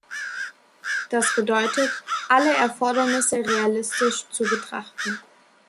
Das bedeutet, alle Erfordernisse realistisch zu betrachten.